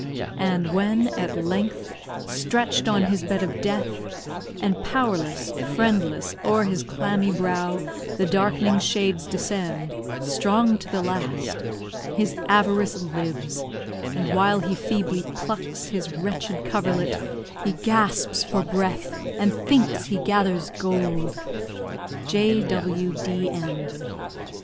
And when, at length, stretch'd on his bed of death, And powerless, friendless, o'er his clammy brow The dark'ning shades descend, strong to the last His avarice lives; and while he feebly plucks His wretched coverlet, he gasps for breath, And thinks he gathers gold! J.W.D.M.